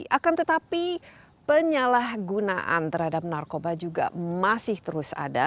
akan tetapi penyalahgunaan terhadap narkoba juga masih terus ada